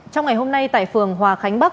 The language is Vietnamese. trong ngày hôm nay tại phường hòa khánh bắc